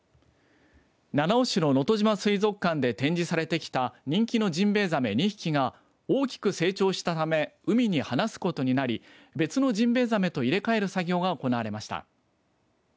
七尾市の、のとじま水族館で展示されてきた人気のジンベエザメ２匹が大きく成長したため海に放すことになり別のジンベエザメと入れ替える作業が行われました。